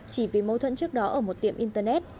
chỉ vì mâu thuẫn trước đó ở một tiệm internet